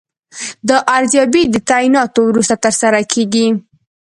دا ارزیابي د تعیناتو وروسته ترسره کیږي.